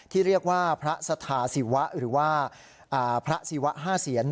ที่เรียกว่าพระสถาศิวะหรือว่าพระศิวะ๕เสียน